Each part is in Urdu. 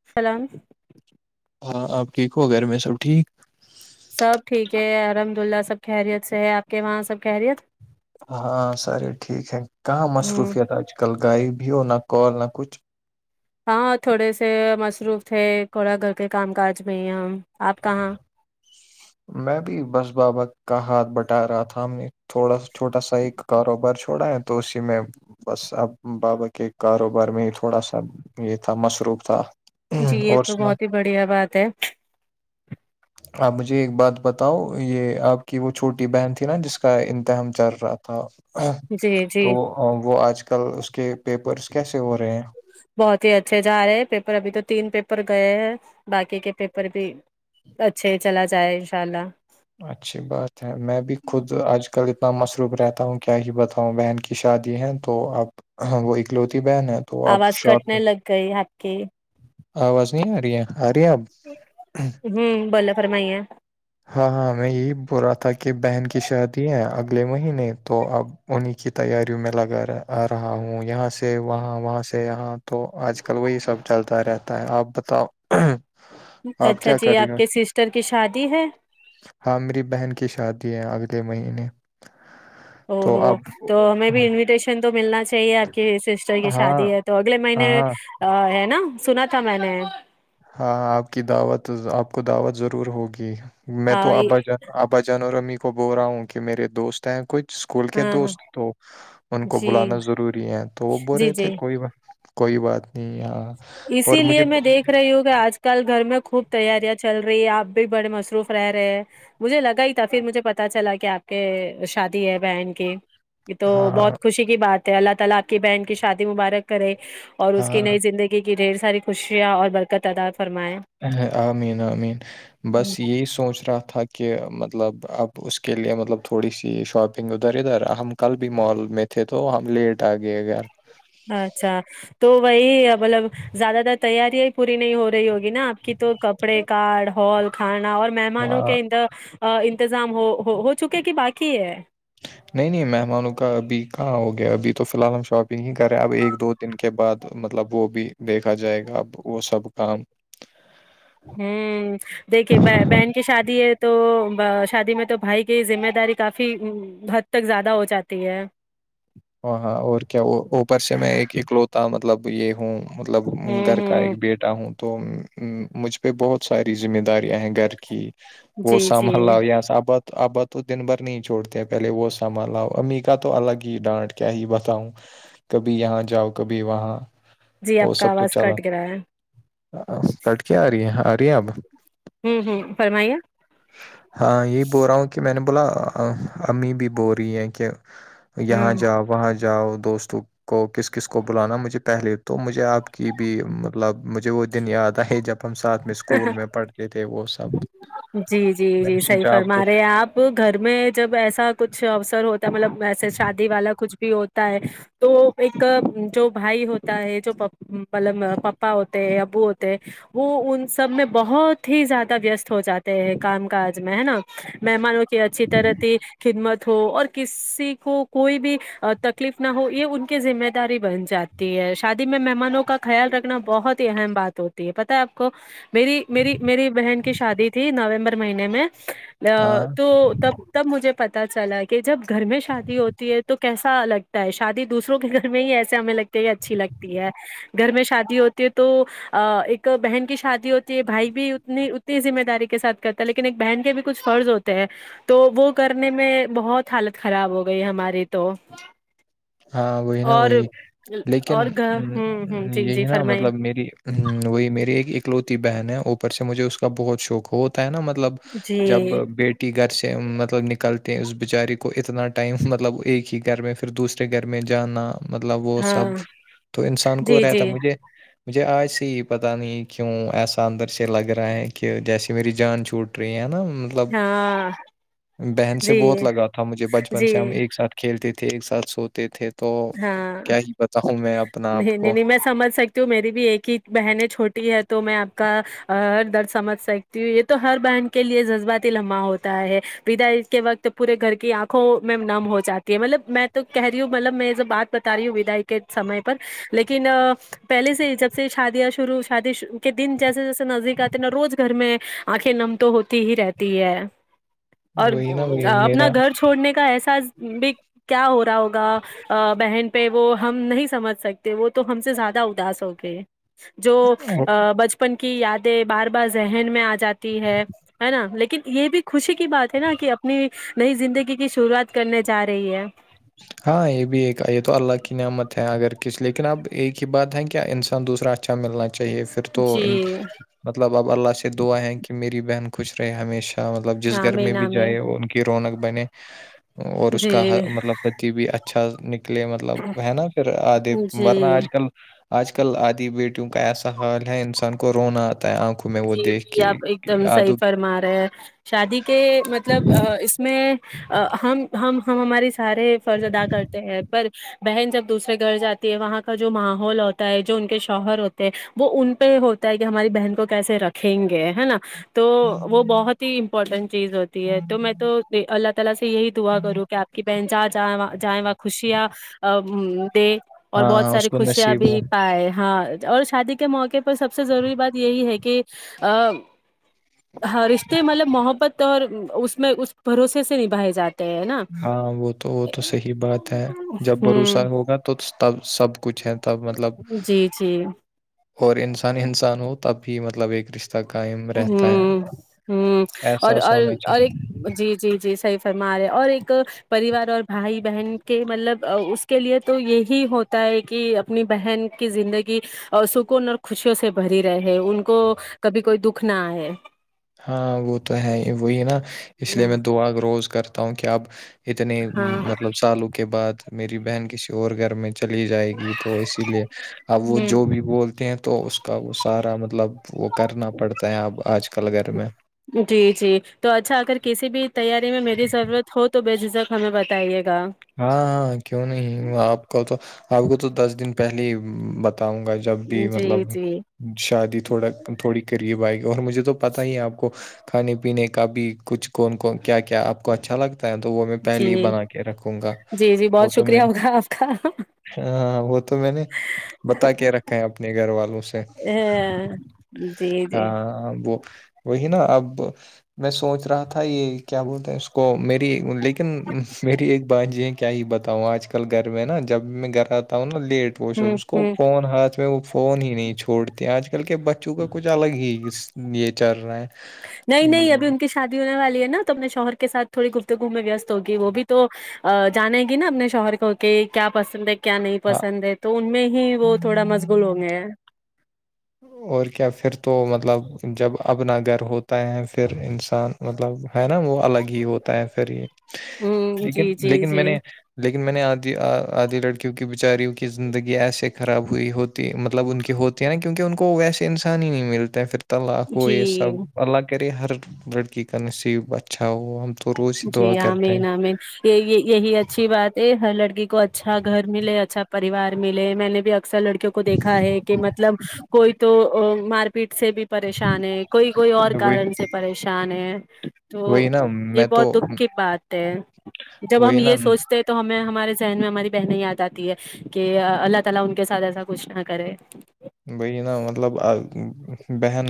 [unintelligible] ہاں آپ ٹھیک ہو گھر میں سب ٹھیک سب ٹھیک ہے الحمد اللہ سب خیریت سے ہے آپ کے وہاں سب خیریت ہاں سرے ٹھیک ہے کہاں ہوں مصروفیت آج کل گائے بھی ہو نہ کال نہ کچھ ہاں تھوڑے سے مصروف تھے تھوڑا گھر کے کام کاج میں ہی ہم آپ کہاں میں بھی بس بابق کا ہاتھ بٹا رہا تھا ہم نے تھوڑا سا چھوٹا سا ایک کاروبار چھوڑا ہے تو اسی میں بس اب بابا کے کاروبار میں تھوڑا سا یہ تھا مصروف تھا جی یہ اور تو سنا بہت ہی بڑھیا بات ہے آپ مجھے ایک بات بتاؤ یہ آپ کی وہ چھوٹی بہن تھی نا جس کا امتحان چل رہا تھا جی جی تو وہ آج کل اس کے پیپرس کیسے ہو رہے ہیں بہت ہی اچھے جا رہے ہیں پیپر ابھی تو تین پیپر گئے ہیں باقی کے پیپر بھی اچھے چلا جائے انشاء اللہ اچھی بات ہے میں بھی خود آج کل اتنا مصروف رہتا ہوں کیا ہی بتاؤں بہن کی شادی ہیں تو آپ ہاں وہ اکلوتی بہن ہیں آواز کٹنے لگ گئی ہق کی آواز نہیں ار ہرب ہوں بوولے فرمائیے ہاں ہاں میں یہی بول رہا تھا کہ بہن کی شادی ہے اگلے مہینے تو اب انہیں کی تیاریوں میں لگا آ رہا ہوں یہاں سے وہاں وہاں سے یہاں تو آج کل وہی سب چلتا رہتا ہے آپ بتاؤ آپ اچھا کیا جی کر رہی آپ ہو کے سسٹر کی شادی ہے ہاں میری بہن کی شادی ہے اگلے مہینے او تو ہو اب تو ہمیں بھی انویٹیشن تو ملنا چاہیے آپ کی سسٹر کی ہاں شادی ہے تو اگلے مہینے ہاں ہے نا سنا تھا میں نے ہاں آپ کی دعوت آپ کو دعوت ضرور ہوگی میں ہاں تو آبا جان ابا جن اور امی کو بول رہا ہوں کہ میرے دوست ہیں کچھ اسکول کے ہاں دوست تو ان کو جی بلانا ضروری ہے تو وہ بول جی رہے جی تھے کوئی کوئی بات نہیں ہاں اور اسی لیے مجھے میں دیکھ دیکھ رہی ہووں کہ آج کل گھر میں خوب تیاریاں چل رہی ہے آپ بھی بڑے مصروف رہ رہے ہیں مجھے لگا ہی تھا پھر مجھے پتا چلا کہ آپ کے شادی ہے بہن کی یہ تو ہاں بہت خوشی کی بات ہے اللہ تعالا آپ کی بہن کی شادی مبارک کرے اور اس کی ہاں نئی زندگی کی ڈھیر ساری خوشیاں اور برکت ادار فرمائے آمین آمین بس یہی سوچ رہا تھا کہ کہ مطلب اب اس کے لیے مطلب تھوڑی سی شاپنگ ادھر ادھر ہم کل بھی مال میں تھے تو ہم لیٹ آ گئے گار اچھا تو وہی مطلب زیادہ تر تیاریاں پوری نہیں ہو رہی ہوگی نا آپ کی تو کپڑے کٹ ہال کھانا اور مہمان ن ہاں کہا انتظام ہو ہو ہو چکے کہ باقی ہے نہیں نہیں مہمانوں کا ابھی کہاں ہو گیا ابھی تو فی الحال ہم شاپنگ ہی کر رہے ہیں اب ایک دو انن کے بعد مطلب وہ بھی دیکھا جائے گا اب وہ سب کام ہوں دیکے بہن کی شادی ہے تو شادی میں تو بھائی کی ذمہ داری کافی حد تک زیادہ ہو جاتی ہے ہ ہاں اور کیا وہ اوپر سے میں ایک اکلوتا مطلب یہ ہوں مطلب ہوں گھر کا ہ ایک بیٹا ہوں تو مجھ پہ بہت ساری ذمہ داریاں ہیں گھر کہ وہ جی جی سامان لا یہ صابت ابا تو دن بھر نہیں چھڑتے ہیں پہلے وہ سامبھ لاؤ امی کا تو الگ ہی ڈانٹ کے کیا ہی بتاؤ کبھی یہاں جاؤ کبھی وہاں جی وہ آپ کا سب تو آواز چال کٹ گرا ہے کٹ کے آ رہی ہے آ رہی ہیں اب ہوں ہوں فرمائیے ہاں یہی بول رہا ہوں کہ میں نے بولا امی بھی بو رہی ہیں کہ یہاں ہوں جاؤ وہاں جاؤ دوستوں کو کس کس کو بلانا مجھے پہلے تو مجھے آپ کی بھی مطلب مجھے وہ دن یاد آئے جب ہم ساتھ میں اسکول میں پڑھتے تھے وہ سب جی جی میں نے جی صحی سوچا آپ فرما کو رہے ہیں آپ وہ گھر میں جب ایسا کچھ اوسر ہوتا ہے مطلب ویسے شادی والا کچھ بھی ہوتا ہے تو ایک جو بھائی ہوتا ہے جو مطلب پپا ہوتے ہیں ابو ہوتے ہیں وہ ان سب میں بہت ہی زیادہ وست ہو جاتے ہیں کام کاج میں ہے نا مہمانوں کی اچھی طرح کی خدمت ہو اور کسی کو کوئی بھی تکلیف نہ ہو یہ ان کی ذمہ داری بن جاتی تی ہے شادی میں مہمانوں کا خیال رکھنا بہت ہی اہم بات ہوتی ہے پت ہے آپ کو میری میری میری بہن کی شادی تھی نومبر مہینے میں ہاں تو تب تب مجھے پتا چلا کہ جب گھر میں شادی ہوتی ہے تو کیسا لگتا ہے شادی دوسروں کے گھر میں ہی ایسے ہمیں لگتے کہ اچھی لگتی ہے گھر میں شادی ہوتی ہے تو ایک بہن کی شادی ہوتی ہے بھائی بھی اتنی ذمہ داری کے سھ کرتا ہے لیکن ایک بہن کے بھی کچھ فرض ہوتے ہیں تو وہ کرنے میں بہت حالت خراب ہو گئی ہماری تو ہاں وہی نا اور وہی لیکن اور گ ہوں ہ جی یہی جی نا فرمائیے مطلب میری ہ وہی میری ایک اکلوتی بہن ہے اوپر سے مجھے اس کا بہت شوق ہو ہے نا مطلب جی جب بیٹ گھر سے مطلب نکلتے ہیں اس بیچاری کو اتنا ٹائم مطلب ایک ہی گھر میں پھر دوس گھر میں جانا مطلب وہ ہاں سب تو انسان کو جی رہتا جی مجھے مجھے آج سے یہ پتاہ نہیں کیوں ایسا اندر سے لگ رہا ہے کہ جیسیے میری جان چھوٹ ہے نا مطلب ہاں بہن سے جی بہت لگا تھا مجھے بچپن جی سے ہم ایک ساتھ کھیلتے تھے ایک ساتھ سوتے تھے تو ہاں کیا ہی بتاؤوں میں اپنا آپ نہیں نہیں کو نہیں میں سمھ سکتی تو میری بھی ایک ہی بہنیں چھوٹی ہے تو میں آپ کا ر درد سمجھ سکتی ہ یہ تو ہر بہن کے لیے جذباتی لمحہ ہوتا ہے پدا اس کے وقت پورے گھر کی آنکھوں میں نم ہو جات ہے مطلب میں تو کہہ رہی ہوں مطلب میں بات بتا رہی ہوں ودا کے سمے پر لیکن پہلے سے ہی جب سے شادیاں شرو شادی کے دن جیسے جیسے نزدیک آتی اتنا روز گھر میں آنکھیں نم تو ہوتی ہی رہتی ہے اور وہی نا وہی اپنا میرا گھر چھوڑنے کا احساس بھی کیا ہو رہا ہوگا بہن پہ وہ ہم نہیں سمجھ سکتے وہ تو ہم سے زیادہ اداس ہو گئے جو بچپن کی یادیں بار بار ذہن میں آ جاتی ہے ہے نا لیکن یہ بھی خوشی کی بات ہے نا کہ اپنی نئی زندگی کی شروعات کرنے جا رہی ہے ہاں یہ بھی ایک یہ تو اللہ کی نعمت ہے اگر کس لیکن اب ایک ہی بات ہے کہ انسان دوسرا اچھا ملنا چاہیےھر پھر تو جی مطلب اب اللہ سے دعا ہے کہ میری بہن خوش رہے ہمیشہ مطلب جس گھر میں آمین بھی آمین جائے ان کی رونق بنے اور اس جی کا مطلب پتی بھی اچھا نکلے مطلب ہے نا پھر آدھے ورنہ جی آج کل آج کل آدی بیٹیوں کا ایسا حال ہے انسان کو رونا آتا ہے آنکھ جی جی آپ ایک دم صحیح فرما رہے ہیں شادی کے مطلب میں ہم ہم ہماری سارے فرض ادا کرتے ہیں پر بہن جب دوسرے گھر جاتی ہے وہاں کا جو ماحول ہوتا ہے جو ان کے شوہر ہوتے ہیں وہ ان پہ ہو کہ ہماری بہن کو کیسے رکھیں گے ہے نا تو وہ بہت امپورٹینٹ چیز ہوتی ہے تو میں تو اللہ تعالی سے یہی دعا کروں کہ آپ کی بہن جا جائیں جائیں و خوشیا ا اور ہاں بہت ہاں اس ساری کو خوشیاں نصیب بھی ہو پائے ہاں اور شادی کے موقع پر سب سے ضروری بات یہی ہے کہ کہ ا ہ رشتے مطلب محبت تو اس میں اس بھروسے سے نبھائے جاتے ہیں نا ہاں وہ تو وہ تو صحیح بات ہے جب ہوں بھروسا ہوگا تو تب سب کچھ ہے تب مطلب جی جی اور انسان انسان ہو تو تب بھی مطلب ایک رشتےہ ہ ہ اور احساس اور ہونا اور ایک چاہیے جی جی جی صح فمار ہے اور ایک پریوار اور بھائی بہن کے مطلب اس کے لیے تو یہی ہوتا ہے کہ اپنی بہن کی زندگی سکون اور خوشیوں سے بری رہے ہیں ان کو کبھی کوئی دکھ رکھنا ہے ہاں وہ تو ہے ہی وہی نا اس لیے میں دعاغ روز کرتا ہوں کہ اب اتنے ہاں مطلب سالوں کے بعد میری بہن کسی اور گھر میں چلی جائے گی تو اسی لیے اب وہ جو ہ بھی بولتے ہیں تو اس کو اس کا وہ سارا مطلب وہ کرنا پڑتا ہے اب آج کل گھر میں جی جی تو اچھا اگر کسی بھی تیاری میں میری ضرورت ہو تو بے جھجھک ہمیں بتائیے گا ہاں ہاں کیوں نہیں آپ کو تو آپ کو تو دس دن پہلے ہی بتاؤں گا جب بھی مطلب جی جی شادی تھوڑا تھوڑی قریب آئے گی اور مجھے تو پتہ ہی آپ کو کھانے پینے کا بھی کچھ کون کون کیا کیا آپ کو اچھا لگتا ہے تو وہ میں پہلے ہی جی بنا کے رکھوں گا جی جی وہ بہت تو شکریہ میں نے ہو کا آپ کا ہاں وہ تو میں نے بتا کے رکھا ہے اپنے گھر والوں سے ہ جی جی ہاں وہ وہی نا اب میں سوچ رہا تھا یہ کیا بولتے ہیں اس کو میری ل لیکن میری ایک بات جی ہے کیا ہی بتاؤں آج کل گھر میں نا جب میں گھر آتا ہوں نا لیٹ پو ہوں اس کو ہوں فون ہاتھ میں فون ہی نہیں چھوڑتے آج کل کے بچوں کا کچھ الگ ہی یہ چل رہا ہے نہیں نہیں ابھی ان کی شادی ہونے والی ہے نا تو اپنے شوہر کے ساتھ تھوڑی گفتےگووم میں وست ہوگی وہ بھی تو جانے گی نا اپنے شوہر کو کہ کیا پسند ہے کیا نہیں ہاں پسند ہے تو ان میں ہی وہ تھوڑا مشغول ہوں گئے ہیں اور کیا پھر تو مطلب جب اپنا گھر ہوتا ہے پھر انسان مطلب ہے نا وہ الگ ہی ہوتا ہے پھر ہی جی لیکن جی لیکن میں جی نے لیکن میں نے آدھی آدھی لڑکیوں کی بیچاریوں کی زندگی ایسے خراب ہوئی ہوتی مطلب ان کی ہوتی ہے نا کیونکہ ان کو ویسے انسان ہی نہیں ملتا پھر طلاق وہ یہ جی سب اللہ کرے ہر لڑکی کا نصیب اچھا ہو تو روز ہی جی دعا آ کرتے ہیں مین میں یہ یہی اچھی بات ہے ہر لڑکی کو اچھا گھر ملے اچھا پریوار ملے میں نے بھی ا اثر لڑکیوں کو دیکھا ہے کہ مطلب کوئی تو مار پیٹ سے بھی پریشان ہے کوئی کوئی اور وہی کارن سے پریشان ہے تو وہی نا یہ میں بہت تو دکھ کی بات ہے جب ہم وہی یہ نا سوچتے تو ہمیں ہمارے ذہن میں ہماری بہنیں یاد آتی ہے [inaudible] بی نا مطلب بہن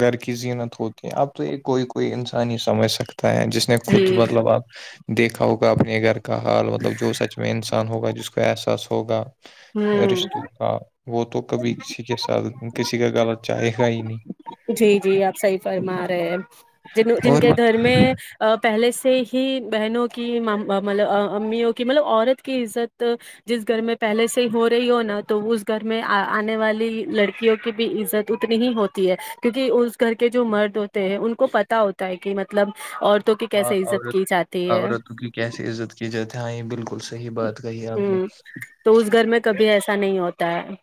گھر کی زینت ہوتی ہے اب تو یہ کوئی کوئی انسان ہی سمجھ سکتا ہے جس نے خود جی مطلب آپ دیکھا ہوگا اپنے گھر کا حال مطلب جو سچ میں انسان ہوگا جس کو احساس ہوگا ہوں رشتوں کا وہ تو کبھی کسی کے ساتھ کسی کا گال چاہے گا ہی نہیں جی جی آپ صحیح فرما رہے ہیں جن جن اور کے بس گھر میں پہلے سے ہی بہنوں کی مطلب امیوں کی مطلب عورت کی عزت جس گھر میں پہلے سے ہی ہو رہی ہو نا تو اس گھر میں آنے والی لڑکیوں کی بھی عزت اتنی ہی ہوتی ہے کیونکہ اس گھر کے جو مرد ہوتے ہیں ان کو پت ہوتا ہے کہ مطلب اور کی کیسے عزت کی جاتی ہے کیسی عزت کی جاتی ہاں یہ بالکل صحیح بات کہی ہ آپ نے تو اس گھر میں کبھی ایسا نہیں ہوتا ہے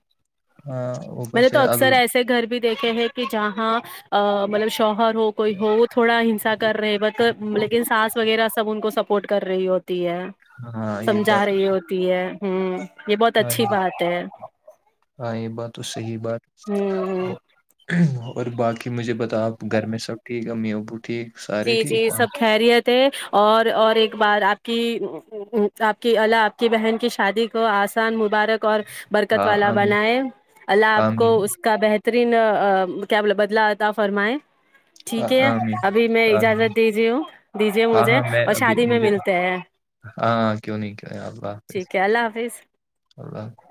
ہاں اوپر میںط نے تو سے اکثر عدل، ایسے گھر بھی دیکھے ہیں کہ جہاں مطلب شوہر ہو کوئی ہو تھوڑا ہنسا کر رہے بت لیکن سانس وغیرہ سب ان کو سب سپورٹ کر رہی ہوتی ہے ہاں یہ سمجھا بات تو رہی ہوتی ہے ہوں یہ بہت ہاں اچھی یہ بات ہے ہاں یہ بات تو صحیح بات ہوں اور باقی مجھے بتاؤ آپ گھر میں سب ٹھیک امی ابو ٹھیک جی سارے ٹھیک جی وہاں سب سے؟ خیریت تھا اور اور ایک بار آپ کی آپ کی آپ کی بہن کی شادی کو آسان مبارک اور برکت ہاں والا آمین بنائے اللہ آپ کو آمین اس کا بہتر رین کیا بول بدلا تھا فرمائے ٹھیک ہے آمی ابھی میں اجازت دیجی ہوں دیجی مجھے ہاں میں اور ابھی شادی میں مجھے ملتے ہیں ہاں کیوں نہیں کی ہے اللہ حافظ ٹھیک ہے اللہ حافظ اللہ حافظ